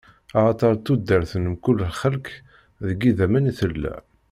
Axaṭer tudert n mkul lxelq deg idammen i tella.